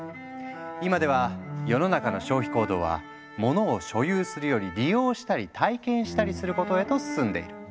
今では世の中の消費行動はモノを「所有する」より「利用したり体験したりする」ことへと進んでいる。